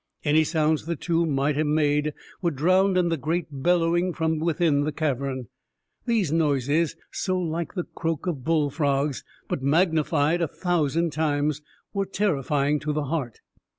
Any sounds the two might have made were drowned in the great bellowing from within the cavern. These noises, so like the croak of bullfrogs but magnified a thousand times, were terrifying to the heart.